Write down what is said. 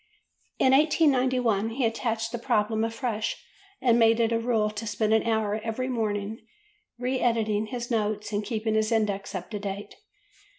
In 1891 he attached the problem afresh and made it a rule to spend an hour every morning re editing his notes and keeping his index up to date.